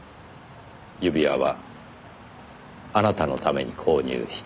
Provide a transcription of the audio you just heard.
指輪はあなたのために購入した。